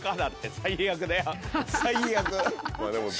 最悪。